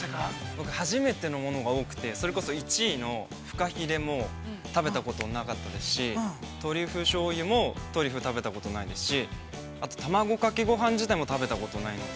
◆僕、初めてのものが多くてそれこそ１位のフカヒレも食べたことなかったですしトリュフしょうゆもトリュフ食べたことないですしあと、卵かけごはん自体も食べたことないので。